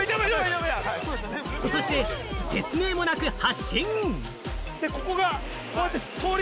そして説明もなく発進。